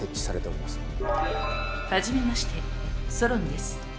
初めましてソロンです。